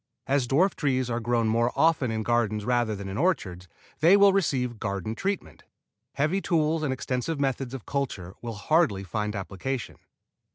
As dwarf trees are grown more often in gardens rather than in orchards they will receive garden treatment. Heavy tools and extensive methods of culture will hardly find application.